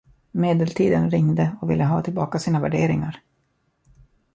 Medeltiden ringde och ville ha tillbaka sina värderingar.